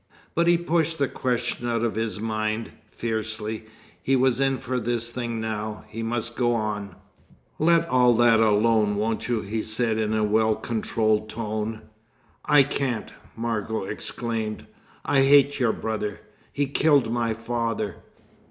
But he pushed the question out of his mind, fiercely. He was in for this thing now. He must go on. "Let all that alone, won't you?" he said, in a well controlled tone. "I can't," Margot exclaimed. "I hate your brother. He killed my father."